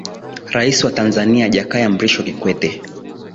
rais wa tanzania jakaya mrisho kikwete